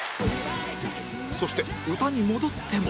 そして歌に戻っても